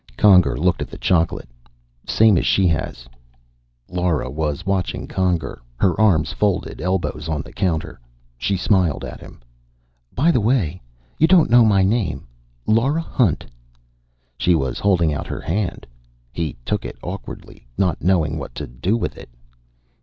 Conger looked at the chocolate. "Same as she has." Lora was watching Conger, her arms folded, elbows on the counter. She smiled at him. "By the way. You don't know my name. Lora Hunt." She was holding out her hand. He took it awkwardly, not knowing what to do with it.